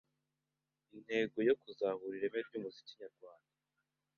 intego yo kuzahura ireme ry’umuziki nyarwanda